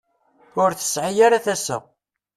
Ur tesɛi ara tasa.